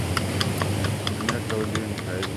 La señora Kraus vive en Israel.